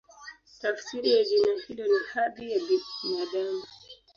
Tafsiri ya jina hilo ni "Hadhi ya Binadamu".